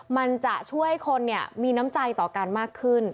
มันจะช่วยคนมีน้ำใจต่อกันมากขึ้น